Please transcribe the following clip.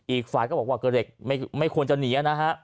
อีกฝ่ายก็บอกว่าก็เด็กไม่ควรจะหนีนะฮะ